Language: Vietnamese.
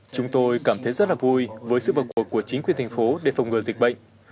chúng tôi cảm thấy rất là vui với sự vào cuộc của chính quyền thành phố để phòng ngừa dịch bệnh